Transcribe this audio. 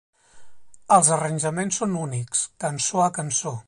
Els arranjaments són únics, cançó a cançó.